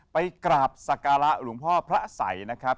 ไปกราบศักราะอ่ะหลวงพ่อพระอาศัยนะครับ